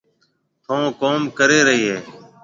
ٿُون ڪوم ڪري رئي هيَ۔